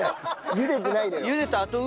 茹でてないのよ。